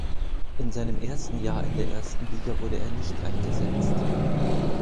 In seinem ersten Jahr in der ersten Liga wurde er nicht eingesetzt.